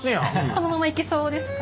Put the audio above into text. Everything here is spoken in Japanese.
このままいけそうですか？